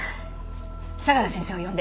相良先生を呼んで。